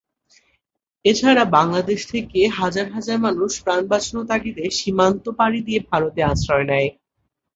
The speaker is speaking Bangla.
এছাড়া বাংলাদেশ থেকে হাজার হাজার মানুষ প্রাণ বাঁচানো তাগিদে সীমান্ত পাড়ি দিয়ে ভারতে আশ্রয় নেয়।